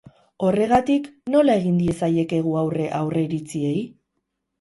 Horregatik, nola egin diezaiekegu aurre aurreiritziei?